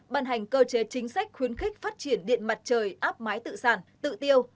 bàn hành cơ chế chính sách khuyến khích phát triển điện mặt trời áp máy tự sản tự tiêu